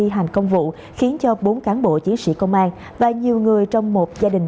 thi hành công vụ khiến cho bốn cán bộ chiến sĩ công an và nhiều người trong một gia đình